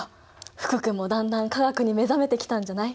福君もだんだん化学に目覚めてきたんじゃない？